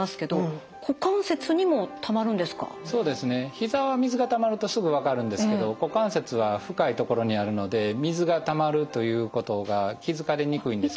膝は水がたまるとすぐ分かるんですけど股関節は深い所にあるので水がたまるということが気付かれにくいんですけど。